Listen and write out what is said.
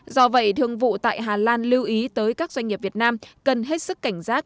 do vậy thương vụ tại hà lan lưu ý tới các doanh nghiệp việt nam cần hết sức cảnh giác